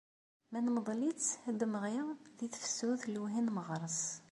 Ma nemḍel-itt ad d-temɣi, di tefsut lewhi n meɣres.